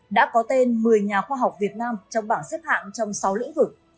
đã có tên một mươi nhà khoa học việt nam trong bảng xếp hạng trong sáu lĩnh vực